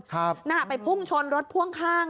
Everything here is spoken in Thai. ครับนะครับไปพุ่งชนรถพ่วงข้าง